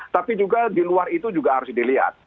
tapi juga di luar itu juga harus dilihat